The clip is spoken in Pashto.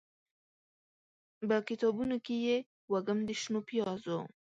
به کتابونوکې یې، وږم د شنو پیازو